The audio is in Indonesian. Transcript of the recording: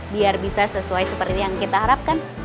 biar bisa sesuai seperti yang kita harapkan